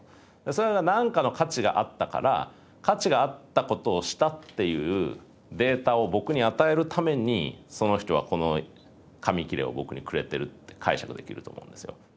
それは何かの価値があったから価値があったことをしたっていうデータを僕に与えるためにその人はこの紙切れを僕にくれてるって解釈できると思うんですよ。